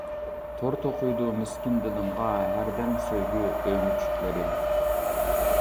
تور توقۇيدۇ مىسكىن دىلىمغا، ھەردەم سۆيگۈ ئۆمۈچۈكلىرى.